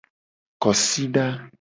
Kosida.